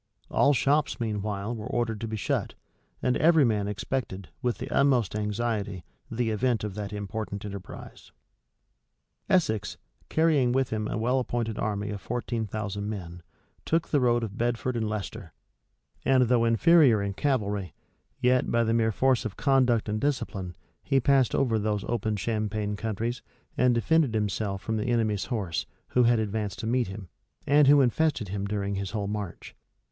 All shops, meanwhile, were ordered to be shut; and every man expected, with the utmost anxiety, the event of that important enterprise.[] Essex, carrying with him a well appointed army of fourteen thousand men, took the road of Bedford and Leicester: and though inferior in cavalry, yet, by the mere force of conduct and discipline, he passed over those open champaign country, and defended himself from the enemy's horse, who had advanced to meet him, and who infested him during his whole march.